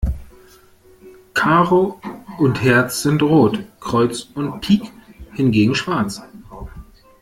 Karo und Herz sind rot, Kreuz und Pik hingegen schwarz.